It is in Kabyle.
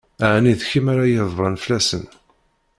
Ɛni d kemm ara ydebbṛen fell-asent?